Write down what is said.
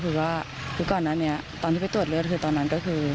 คือก่อนนั้นเนี่ยตอนที่ไปตรวจเลือดคือตอนนั้นก็คือ